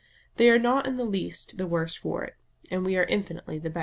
They are not in the least the worse for it, and we are infinitely the better.